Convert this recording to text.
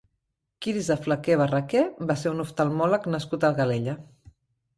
Quirze Flaquer Barraquer va ser un oftalmòleg nascut a Calella.